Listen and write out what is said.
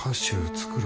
作る